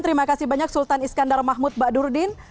terima kasih banyak sultan iskandar mahmud badurdin